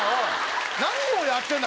何をやってんだ？